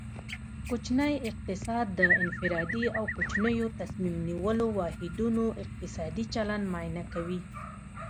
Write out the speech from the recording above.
کوچنی اقتصاد د انفرادي او کوچنیو تصمیم نیولو واحدونو اقتصادي چلند معاینه کوي